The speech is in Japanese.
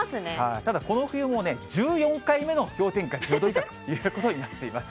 ただ、この冬もね、１４回目の氷点下１０度以下ということになっています。